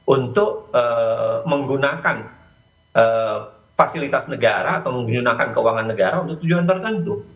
untuk menggunakan fasilitas negara atau menggunakan keuangan negara untuk tujuan tertentu